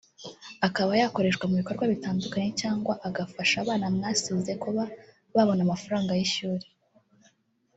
akaba yakoreshwa mu bikorwa bitandukanye cyangwa agafasha abana mwasize kuba babona amafaranga yishyuri